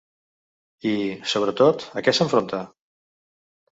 I, sobretot, a què s’enfronta?